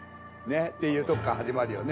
っていうとこから始まるよね。